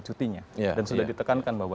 cutinya dan sudah ditekankan bahwa